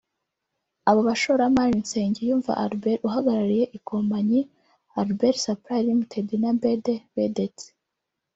Abo bashoramari ni Nsengiyumva Albert uhagarariye ikompanyi Albert Supply Ltd na Bède Bedetse